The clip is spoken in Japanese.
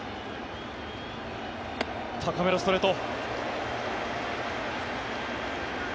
高めのストレート。